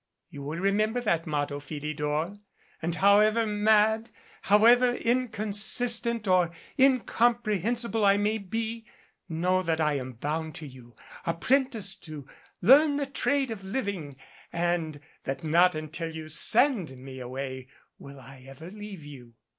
You will remember that motto, Philidor, and however mad, however inconsistent or incomprehensible I may be, know that I am bound to you, apprenticed to learn the trade of living and that not until you send me away will I ever leave you."